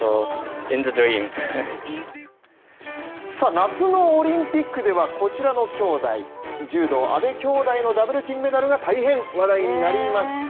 夏のオリンピックではこちらのきょうだい、柔道、阿部きょうだいのダブル金メダルが大変話題になりました。